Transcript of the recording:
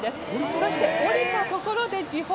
そして、下りたところで時報。